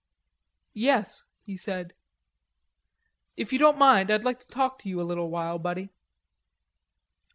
"Yes," he said. "If you don't mind, I'd like to talk to you a little while, buddy."